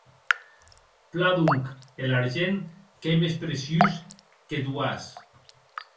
Plan, donc, er argent qu’ei mès preciós qu’eth uas.